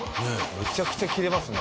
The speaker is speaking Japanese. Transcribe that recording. めちゃくちゃ切れますね。